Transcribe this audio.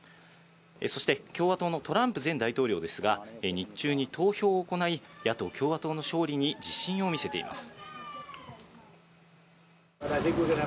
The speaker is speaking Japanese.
そして共和党のトランプ前大統領ですが、日中に投票を行い、野党・共和党の勝利に自信を見せています。